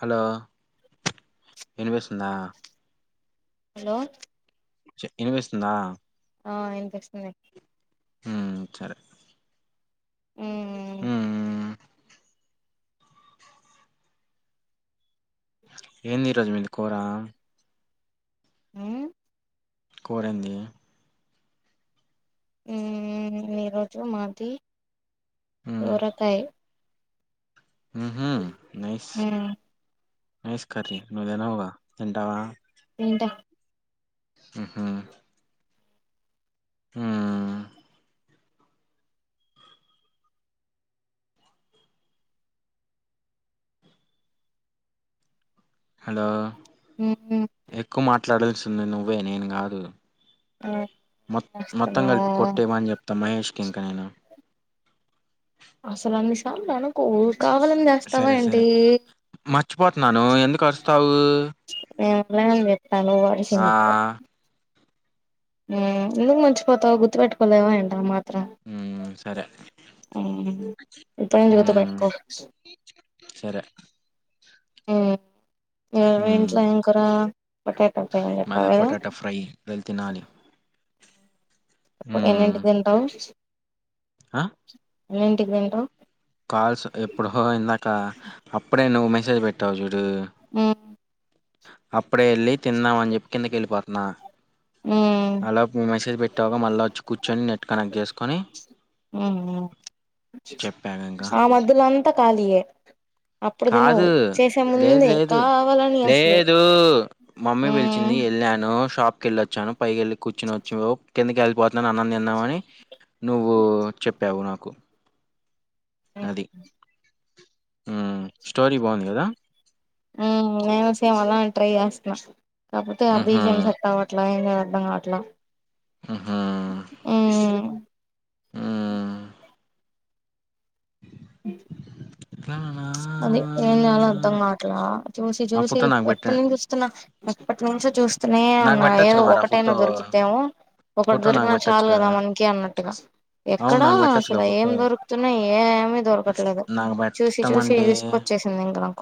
Hello ఇనిపిస్తుందా hello చె ఇనివస్తుందా ఆ ఇన్పిస్తుంది ఊమ్ సరే ఊ ఊఊ ఏంది ఈరోజు మీది కూరా ఊ కూరేందీ ఊ ఈరోజు మాది ఉమ్ సోరకాయి ఉహూ నైస్ మ్మ్ నైస్ కర్రీ నువ్వు దినవుగా తింటావా ఎంత ఉహూ ఊ హలో ఊ ఉ ట్లాడాల్సింది నువ్వే నేను గాదు ఏం మొ మొత్తం కలిపి చేస్తున్నావ్ కొట్టేయమని చెప్తా మహేష్ కి ఇంక నేను అసలు అన్ని సార్లు అనకూ ఊ సరే సరే మర్చిపోతున్నాను ఎందుకు అరుస్తావూ ఏమనిలే తను వాడేసిండు ఇప్పుడు ఊ ఎందుకు మర్చిపోతావ్ గుర్తు పెట్టుకోలేవా ఏంటి ఆ మాత్రం ఉ సరే ఊ ఇప్పుడే జోత ఉమ్ పట్కో సరే ఊ ఊ మీఇంట్లా ఎం కూర? పొటాటో ఫ్రై అని మాద చెప్పావు కదా పొటాటో ఫ్రై వెళి తినాలి. ఇప్పుడు హ్మ్ ఎన్నంటికి తింటావ్? ఆ ఏంటికి తింటావ్ కాల్స్ ఎప్పుడోయింనాక అప్పుడే నువ్వు మెసేజ్ పెట్టవ చుడు ఆ అప్పుడే ఎల్లి తిన్నాం అని చెప్పి కిందకి వెళ్ళొపోతంది. నా మ్మ్ అలోపు మెసేజ్ పెట్టావుగా మళ్ల వచ్చి కూర్చొని, నెట్ కనెక్ట్ చేసుకొని మ్మ్ చెప్పాగా ఇంకా ఆ మధ్యలో అంతా ఖాళీయే అప్పుడు తినవు కాదు చేసే లేదు ముందే లేదు కావాలని అసలు లేదు మమ్మీ పిలిచింది మ్మ్ వెళ్ళాను షాప్ కెళ్ళొచ్చాను పైకెళ్ళి కూర్చనవచ్చు కిందకెళ్ళిపోత్ నేను అన్నం తిన్నావని నువ్వు చెప్పావు నాకు కు మ్ ఊమ్ స్టోరీ బాగుంది కదా ఊమ్ నేనుసేమాలనేట్రై చేస్తన కాకపోతే ఆ ఊహూ బీజం సెట్టవట్లా ఎం ఏం అర్థం గావాట్ల ఊహూ ఉమ్ హ్మ్ ఉమ్ అట్లానా అర్థం కావట్లా చూసి ఆ చూసి ఫోటో నాకు పెట్ట ఎప్పటి నుంచి చుస్తున్నా ఎప్పటి నుంచో చూస్తనే నాకు ఉన్నా ఏదో పెట్టొచ్చుగా మరి ఆ ఒకటైనా ఫోటో దొరికుద్దేమో ఒకటి ఫోటో నాకు దొరికినా చాలు పెట్టొచ్చుగా గదా మనకి అన్నట్టుగా అవును ఎక్కడ నాకు పెట్టొచ్చుగా అసలు ఏం ఫోటో దొరుకుతున్నాయ్. ఏమి దొరకట్లేదు నాకు చూసి చూసి పెట్టమంటే తీసుకొచ్చేసింది ఇం దామ్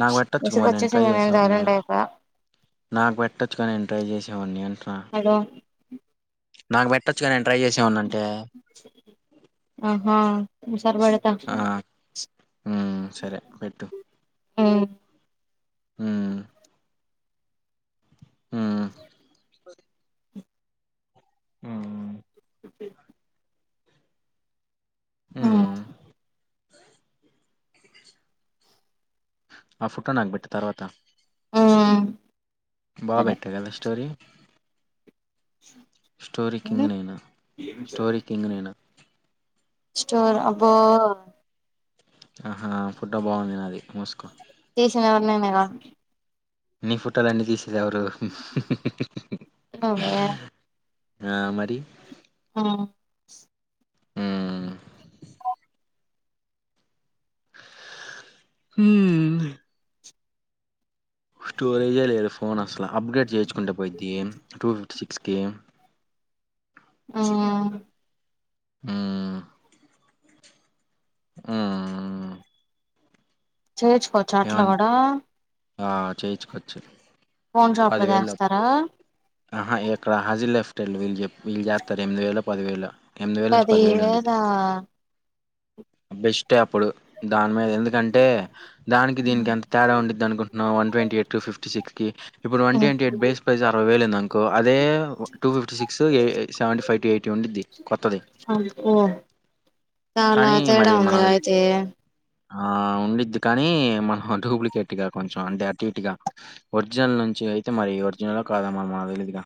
నాకు పెట్టొచ్చుగా మరి నేను ట్రై చేసేవాడిని, సైలెంట్ అయిపోయా నాకు పెట్టచ్చుగా నేను ట్రై చేసేవాడిని అంటు హలో నాకు పెట్టచ్చుగ నేన్ ట్రై చేసేవాడ్ని అంటే ఆహా ఈసారి పెడతా ఆ ఉమ్ సరే పెట్టు ఉమ్ ఉమ్ [unintelligible] ఉం ఉమ్ కే ఉమ్ మ్మ్ ఆ ఫోటో నాకుబెట్టు తర్వాత ఉమ్ బా సరే బెట్ట కదా స్టోరీ స్టోరీ ఉమ్ కింగ్ నేను స్టోరీ కింగ్ నేను స్టోరీ అబ్బో ఆహా ఫోటో బాగుంది నాది మూసుకో చేసింది ఎవరు నేనే గా నీ ఫొటోలు అన్నీ తీసి దేవరు ఉహుహుహు నువ్వే ఆ మరి ఉమ్ మ్మ్ ఉమ్ స్టోరేజ్ ఏ లేదు ఫోన్ అసలు ఇలా అప్గ్రేడ్ చేయొచ్చుకుంటే పోయిద్ది టూ ఫిఫ్టీ సిక్స్ కే ఉమ్ ఉమ్ ఉమ్ చేయిచ్చుకోవచ్చ అట్లా కూడా ఆ చేయించుకోవచ్చు ఫోన్ షాప్ లో పదివేలు చేస్తారా ఆహా ఎక్కడ హాజీ లెఫ్టెడ్ వ వీళ్ళు చేస్తారు ఎనిమిది వేల పదివేలో ఎనిమిది వేల నుంచి పది వేలా బెస్ట్ ఏ అప్పుడు దాని ఎందుకంటే దానికి దీనికి ఉమ్ ఎంత తేడా ఉండిద్ది అనుకుంటున్నా one twenty eight fifty six కి ఇప్పుడు one twenty eight base price అరవై వేలు ఉందం అదే two fifty six seventy five to eighty ఉండిద్ది కొత్తది అబ్బో చాలా కానీ మరి తేడా మన ఉంది అయితే ఆ ఉండిద్ది కానీ మనం డూప్లికేట్ గా కొంచెం అంటే అటు ఇట్గా ఒరిజినల్ నుంచి అయితే మరి ఒరిజినల్ కాదా మనం మనకి తెలిదుగా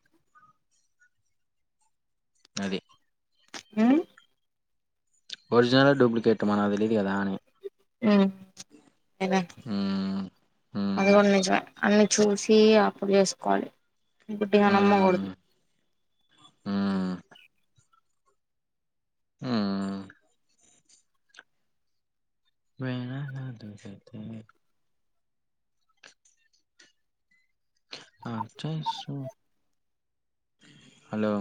అది ఉమ్ ఒరిజినలా డూప్లికేట్టు మనకి తెలియదు కదా అని ఉమ్ ఏ ప హ్మ్ అది హ్మ్ కూడా నిజమేఅన్ని చూసి అప్పు చేసుకోవాలి గుడ్డి గా న మ్మ గూ డదు ఉమ్ ఉమ్ వెేణ నా తెలిసేది ఆర్ చై సు హలో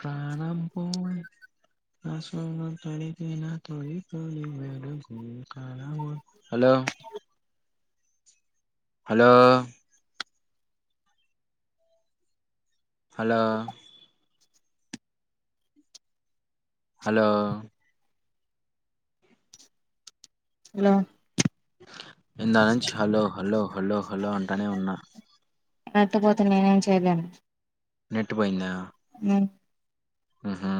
ప్రాణమ్ పోయ్ నా స్వము తడిపిన తొలి తొలి మెలుకువ కలవను hello hello hello hello hello ఇందుకనుంచి హలో హలో హలో హలో అం టా నే ఉన్నా ఇనత్త కపోతే నేనేమ్ చేయలేను నెట్ పోయిందా ఆ ఆహా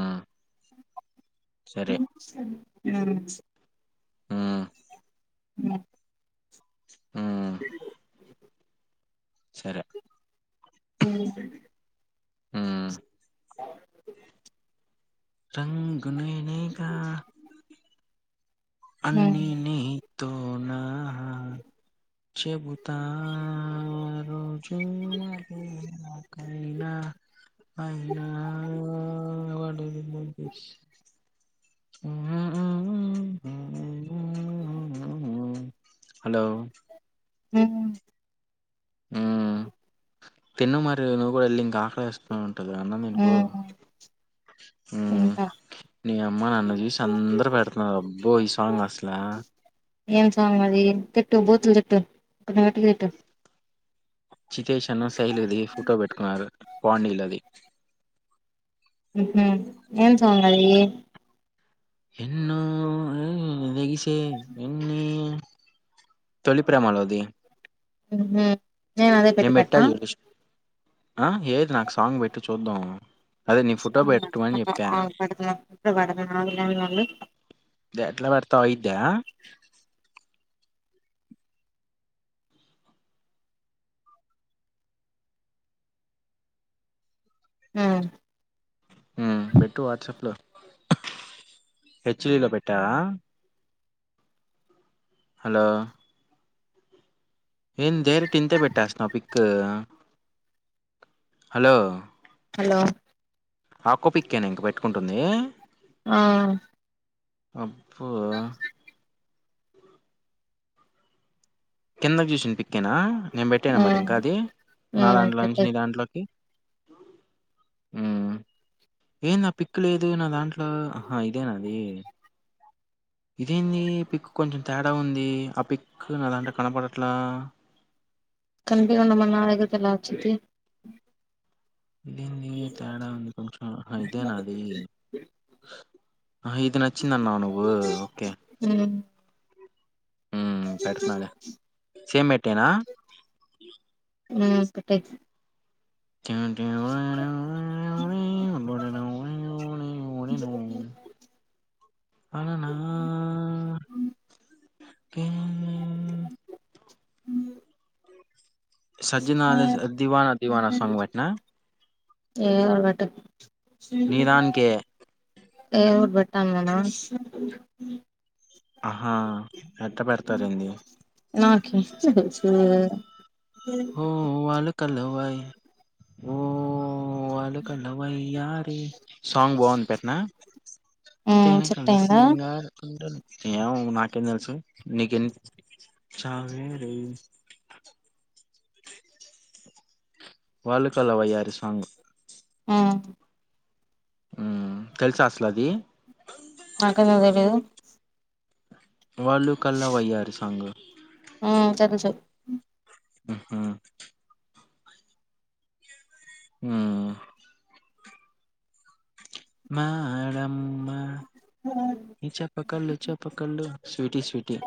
వినిపించ లే ఉమ్ ఉమ్ అ ఉమ్ అ సరే ఉమ్ ఉమ్ అఓ రంగునేనేగా హ్మ్ అన్నిని తోనా హ చెబుతా రోజు కైనా అయినా వాడు [unintelligible] [unintelligible] హలో ఉమ్ ఊమ్ తిన్ను మరి నువ్ కూడా వెళ్లి ఇంకా ఆకలి ఏస్తా వ్ గ అన్నమ్ తినుపో ఉమ్ తింటా నీ అమ్మా నన్ను చూసి అందరు పెడుతన్నరూ ఆబ్బో ఈ సాంగ్ అస్లా తులు తిట్టు [unintelligible] చితేష్ అన్న శైలుది ఫోటో పెట్టుకున్నారు పాండిలది ఊహు ఏం సంగది ఎన్నో [unintelligible] నగిసె ఎన్ని తొలిప్రేమాలోది ఊహు నేను అదేపెటి పెట్న చూడు ఆ ఏది నాకు సాంగ్ పెట్టు చూద్దాం అదే నీ ఫోటో పెట్టమని చెప్పా [unintelligible] ఇవాళ నాలుగయ్దండి దే ఎట్లా పెడతావ్ అయిద్దా ఆ పెట్టు వాట్సాప్ లో హెచ్ లీలో పెట్ట హలో ఏం దేరెక్ట్ ఇంతే పెట్టేస్తున్నావా పిక్ కదా హలో హలో ఆ ఒక్క పిక్కేనా ఇంక పెట్టుకుం ఉందీ ఆ అబ్బో కిందకి చూసింది పిక్కెనా నేను పెట్టానా మరి హ్మ్ ఇంకా అది నా హ్మ్ దాంట్లో నుంచి పెట్టేయ్ నీ దాంట్లోకి ఊ ఏం నా పిక్కు లేదు నా దాంట్లో అహా ఇదేనా అది ఇదేంది పిక్ కొంచెం తేడా ఉంది ఆ పిక్ నా దాంటా కనపడట్లా చితేప్ ఇదేంది తేడా ఉంది కొంచెం ఇదేనా అది ఆ ఇది నచ్చింద అన్నా నువ్వు ఓకే హ్మ్ ఊ పెడుతున్నాడ సేమ్ పెట్టేనా ఆ ఒకటే [unintelligible] అననా కీ ఊ సజ్జనాల దివానా దివానా సంగ్ వెట్నా ఏదోకటి పెట్టు నీ దానికే. ఏ ఊర్బట్టంగనా ఊ ఆహా! ఎట్ట పెడతారేంది? నాకి ఇట్ల దెల్సు ఒ వాళ్లు కళ్ళు వై ఓ వాళ్ళు కళ్ళ వై యారీ సాంగ్ బాగుంది పెట్నా హ్మ్ తేనే సెట్ కళ్ళ అయిందా సింగర్ [unintelligible] ఏమో నాకేం తెలుసు నీక [unintelligible] వాళ్ళు కళ్ళ వయ్యారి సాంగ్ మ్మ్ ఉ తెలుసా అసలది నాకు ఎందుకు తెలియదు వాళ్ళు కళ్ళ వయ్యారి సాంగ్ మ్మ్ [unintelligible] ఉహు మ్మ్ మేడం నీ చేప కళ్ళు చెప్ప కళ్ళు స్వీటీ స్వీటీ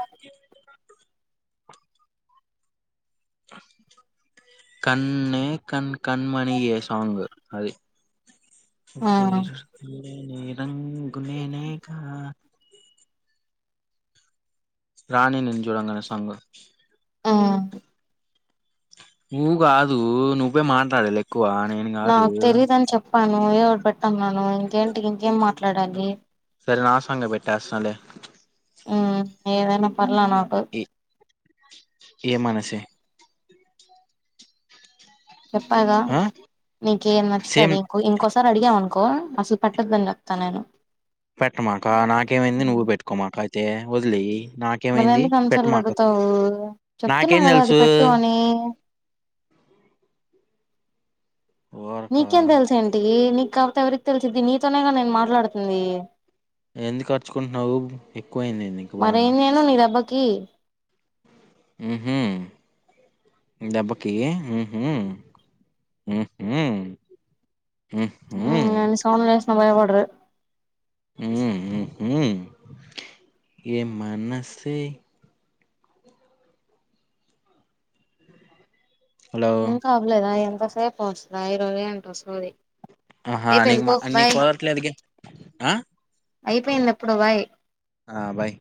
కన్నే కన్ కణమణ ఏ సాంగ్ అది ఆ [unintelligible] గునేనే గా రాణి నిన్ను చూడంగినై సాంగ్ ఆ ఊ కాదు నువ్వే మాట్లాడలే ఎక్కువా నేను కాదు [unintelligible] ఏదోకటి పెట్టున్నాను ఇంకేంటికి ఇంకేం మాట్లాడాలి సరే నా సాంగ్ గే పెట్టేస్తునలే ఏదనా ఎలా నాకు ఏం అన్న చెయ్ చెప్పాగా ఆ నీకేం సేమ్ నచ్చుతుది ఇంకో ఇంకోసారి అడిగేవ్ అను కో అసలు పట్టదు అని చెప్తా నేను పెట్టమాక నాకేమైంది నువ్వు పెట్టుకోమాక తే వదిలేయ్ మరి ఎందుకు అని సారులు అడుగుతావు చెప్తున్నా నాకేం కదా అది తెలుసు. పెట్టు అని ఊరకా నికెంత తెల్సా ఏంటి నిక్క ఎవరికి తెలిసిది నీతోనేగా నేను మాట్లాడుతుంది ఎందుకు అర్చుకుంటున్నావు ఎక్కువయింది నీకు బాగా కి ఉహు దబ్బకి ఉహు ఉహు ఉం గన్ని సౌండ్లు చేస్ సమయ పడరే ఉం ఉమ్మ్ ఉమ్ ఏ మన స్సే హలో ఇంకా అవ్లే దా అ య సే పోచ్చిన ఈరోజేంటో సోది అ హా నీ మ నీ కోదట్లేందుకె అ అయిపోయింది ఎప్పుడో బాయ్ అ బాయ్